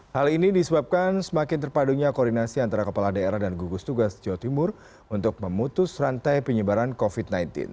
hal ini disebabkan semakin terpadunya koordinasi antara kepala daerah dan gugus tugas jawa timur untuk memutus rantai penyebaran covid sembilan belas